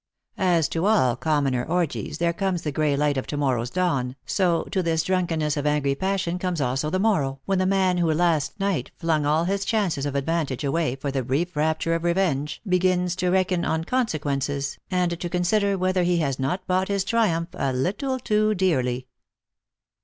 As to all com moner orgies there comes the gray light of to morrow's dawn, so to this drunkenness of angry passion comes also the morrow, •when the man who last night flung all his chances of advantage away for the brief rapture of revenge begins to reckon on con sequences, and to consider whether he has not bought his triumph a little too dearly.